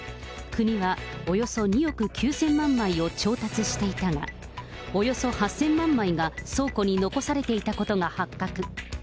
国はおよそ２億９０００万枚を調達していたが、およそ８０００万枚が倉庫に残されていたことが発覚。